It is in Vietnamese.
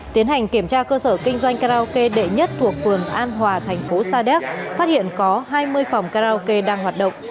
tiến hành kiểm tra cơ sở kinh doanh karaoke đệ nhất thuộc phường an hòa thành phố sa đéc phát hiện có hai mươi phòng karaoke đang hoạt động